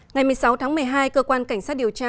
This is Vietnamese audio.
ngày một mươi sáu tháng một mươi hai cơ quan cảnh sát điều tra